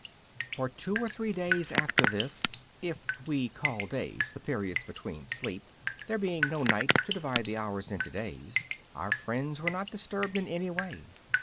For two or three days after this if we call days the periods between sleep, there being no night to divide the hours into days our friends were not disturbed in any way.